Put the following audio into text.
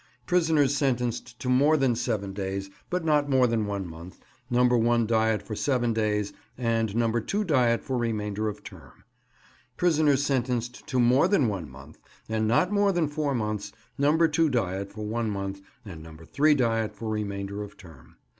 Prisoners sentenced to more than seven days, and not more than one month, No. 1 diet for seven days, and No. 2 diet for remainder of term. Prisoners sentenced to more than one month, and not more than four months, No. 2 diet for one month, and No. 3 diet for remainder of term.